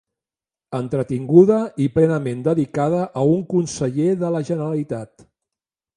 Entretinguda i plenament dedicada a un conseller de la Generalitat.